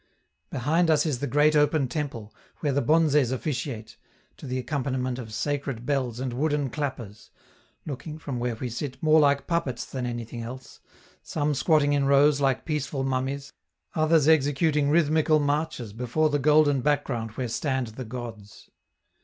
Behind us is the great open temple, where the bonzes officiate, to the accompaniment of sacred bells and wooden clappers looking, from where we sit, more like puppets than anything else, some squatting in rows like peaceful mummies, others executing rhythmical marches before the golden background where stand the gods.